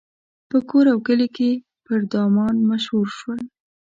په کور او کلي پر دامان مشهور شول.